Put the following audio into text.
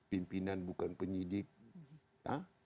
pimpinan bukan penyidik